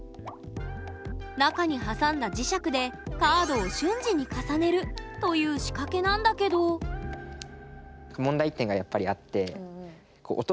中に挟んだ磁石でカードを瞬時に重ねるという仕掛けなんだけど問題点がやっぱりあって。